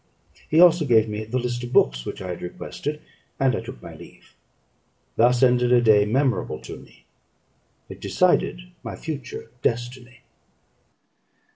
He also gave me the list of books which I had requested; and I took my leave. Thus ended a day memorable to me: it decided my future destiny.